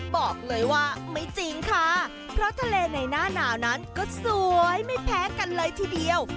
บอกเลยว่าไม่จริงค่ะเพราะทะเลในหน้าหนาวนั้นก็สวยไม่แพ้กันเลยทีเดียว